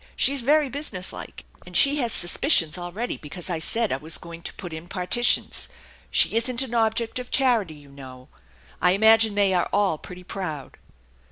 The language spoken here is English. She's very businesslike, and she has suspicions already because I said I was going to put in partitions. She isn't an object of charity, you know. I imagine they are aU pretty proud."